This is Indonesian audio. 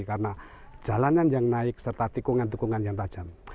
karena jalanan yang naik serta tikungan tikungan yang tajam